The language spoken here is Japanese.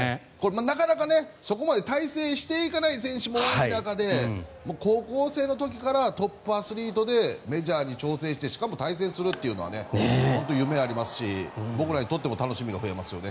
なかなか、そこまで大成していかない選手も多い中で高校生の時からトップアスリートでメジャーに挑戦してしかも対戦するというのは本当に夢がありますし僕らにとっても楽しみが増えますよね。